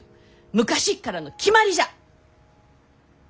昔っからの決まりじゃ！